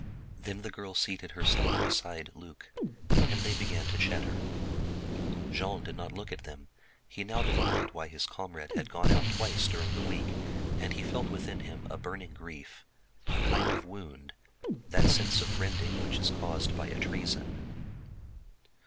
Then the girl seated herself beside Luc, and they began to chatter. Jean did not look at them. He now divined why his comrade had gone out twice during the week, and he felt within him a burning grief, a kind of wound, that sense of rending which is caused by treason.